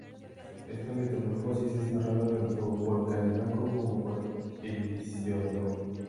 Esta metamorfosis es narrada tanto por Calímaco como por Hesíodo.